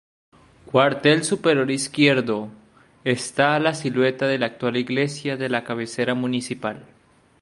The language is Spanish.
Cuartel superior izquierdo, está la silueta de la actual iglesia de la cabecera municipal.